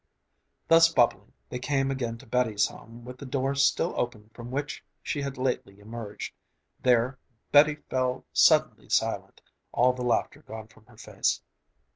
Thus bubbling, they came again to Betty's home with the door still open from which she had lately emerged. There Betty fell suddenly silent, all the laughter gone from her face.